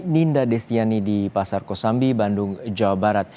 ninda destiani di pasar kosambi bandung jawa barat